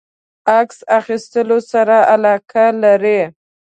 عکس اخیستلو سره علاقه لری؟